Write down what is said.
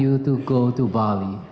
untuk pergi ke bali